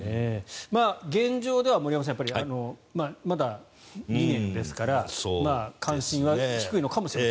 現状では、森山さんまだ２年ですから関心は低いのかもしれない。